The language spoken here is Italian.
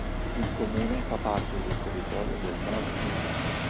Il comune fa parte del territorio del Nord Milano.